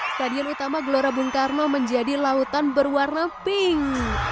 stadion utama gelora bung karno menjadi lautan berwarna pink